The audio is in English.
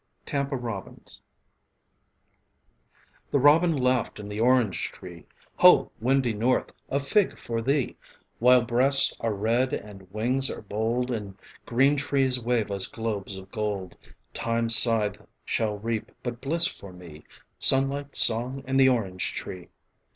Tampa Robins. The robin laughed in the orange tree: "Ho, windy North, a fig for thee: While breasts are red and wings are bold And green trees wave us globes of gold, Time's scythe shall reap but bliss for me Sunlight, song, and the orange tree.